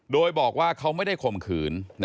โดยบอกว่าเขาไม่ได้ข่มขืน